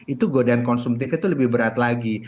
itu godaan konsumtif itu lebih berat lagi